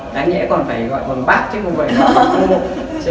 đáng lẽ còn phải gọi còn bác chứ không phải gọi chị